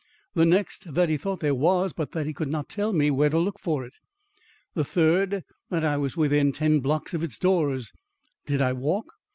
The next, that he thought there was, but that he could not tell me where to look for it. The third, that I was within ten blocks of its doors. Did I walk?